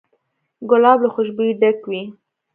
ګلاب له خوشبویۍ ډک دی.